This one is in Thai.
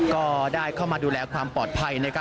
ก็ได้เข้ามาดูแลความปลอดภัย